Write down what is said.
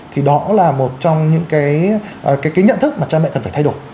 thì đó là một trong những cái nhận thức mà cha mẹ cần phải thay đổi